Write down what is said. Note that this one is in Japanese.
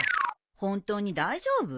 本当に大丈夫？